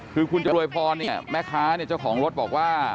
คือคุณจรวยพรเนี่ยแม่ค้าเนี่ยเจ้าของรถบอกว่า